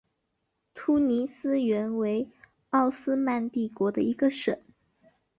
突尼斯原为奥斯曼帝国的一个省。